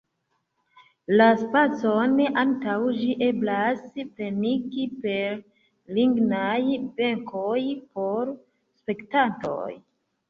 La spacon antaŭ ĝi eblas plenigi per lignaj benkoj por spektantoj.